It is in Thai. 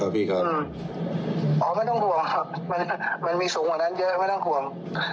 ฮะพี่ครับอ๋อไม่ต้องห่วงครับมันมีสูงเหมาะนั้นเยอะไม่ต้องห่วง